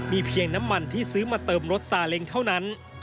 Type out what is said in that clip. เพียงน้ำมันที่ซื้อมาเติมรถซาเล็งเท่านั้น